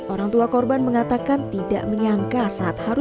orang tua korban mengatakan tidak menyangka